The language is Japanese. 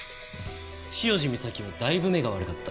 潮路岬はだいぶ目が悪かった。